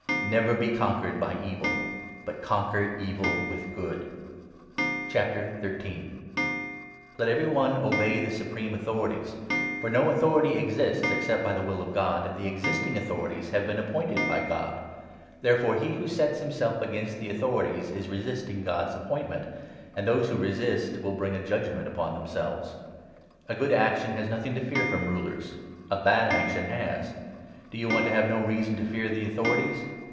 Never be conquered by evil, but conquer evil with good. 21 Let every one obey the supreme Authorities, i On Obedience _,.•>.. J ',...,,,. to the ror no Authority exists except by the will ot God, Authorities. anc} the existing Authorities have been appointed by God. Therefore he who sets himself against the Authori 2 ties is resisting God's appointment, and those who resist will bring a judgement upon themselves. A good action 3 has nothing to fear from Rulers ; a bad action has. Do you want to have no reason to fear the Authorities